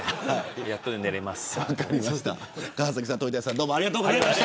やっと寝れます。